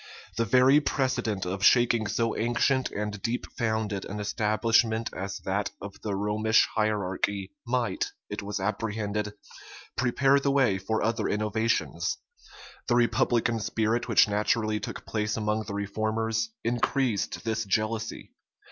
The very precedent of shaking so ancient and deep founded an establishment as that of the Romish hierarchy, might, it was apprehended, prepare the way for other innovations. The republican spirit which naturally took place among the reformers, increased this jealousy.